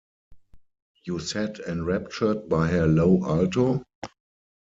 You sat enraptured by her low alto?